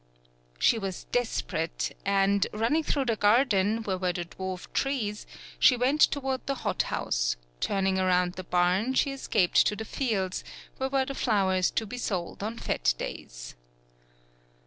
'* She was desperate, and, running through the garden, where were the dwarf trees, she went toward the hot house ; turning around the barn, she escaped to the fields, where were the flowers to be sold on fete days.